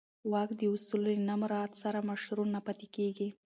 واک د اصولو له نه مراعت سره مشروع نه پاتې کېږي.